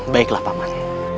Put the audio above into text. baiklah pak man